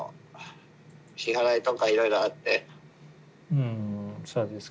うんそうですか。